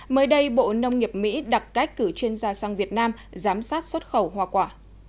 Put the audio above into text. mới đây bộ nông nghiệp mỹ đặt cách cử chuyên gia sang việt nam giám sát xuất khẩu hoa quả